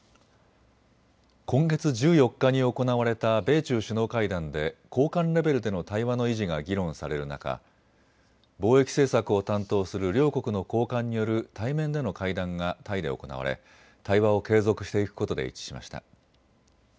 今月１４日に行われた米中首脳会談で高官レベルでの対話の維持が議論される中、貿易政策を担当する両国の高官による対面での会談がタイで行われ対話を継続していくことで一致しました。